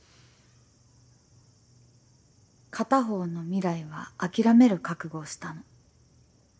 片方の未来は諦める覚悟をしたの。